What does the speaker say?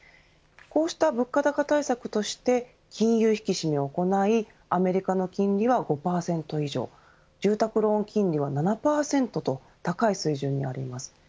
こうした物価高対策として金融引き締めを行いアメリカの金利は５％以上住宅ローン金利は７％と高い水準にあります。